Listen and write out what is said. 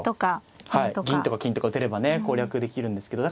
銀とか金とか打てればね攻略できるんですけど。